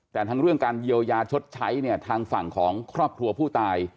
แต่ทั้งเรื่องการเยียวยาชดใช้เนี่ยทางฝั่งของครอบครัวผู้ตาย